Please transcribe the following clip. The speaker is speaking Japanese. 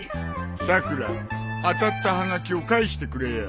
さくら当たったはがきを返してくれよ。